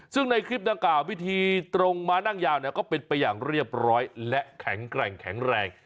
ซึ่งในคลิปดังกล่าววิธีตรงม้านั่งยาวก็เป็นไปอย่างเรียบร้อยและแข็งแกร่งแข็งแรง